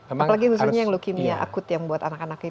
apalagi misalnya leukemia akut yang buat anak anak itu